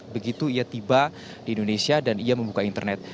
begitu ia tiba di indonesia dan ia membuka internet